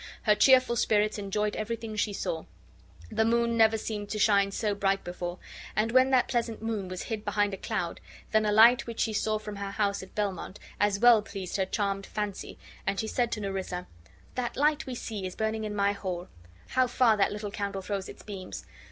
Her cheerful spirits enjoyed everything she saw: the moon never seemed to shine so bright before; and when that pleasant moon was hid behind a cloud, then a light which she saw from her house at Belmont as well pleased her charmed fancy, and she said to Nerissa: "That light we see is burning in my hall. How far that little candle throws its beams!